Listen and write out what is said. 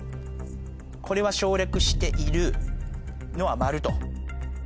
これは省略しているのは「○」と。